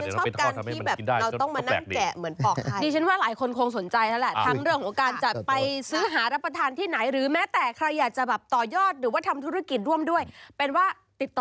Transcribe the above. เดี๋ยวเราไปทอดทำให้มันกินได้ก็แปลกดีชอบการที่แบบเราต้องมานั่งแจ่เหมือนปอกให้